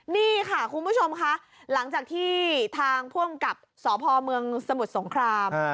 นี่ค่ะคุณผู้ชมค่ะหลังจากที่ทางผู้อำกับสพเมืองสมุทรสงคราม